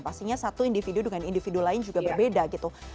pastinya satu individu dengan individu lain juga berbeda gitu